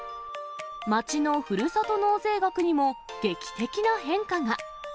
町のふるさと納税額にも劇的な変化が。